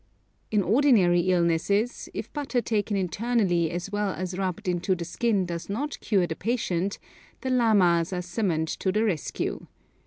In ordinary illnesses, if butter taken internally as well as rubbed into the skin does not cure the patient, the lamas are summoned to the rescue.